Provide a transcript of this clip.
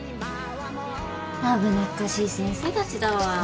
危なっかしい先生たちだわ。